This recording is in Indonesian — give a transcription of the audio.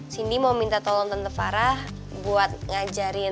cindy mau minta tolong tante farah buat ngajarin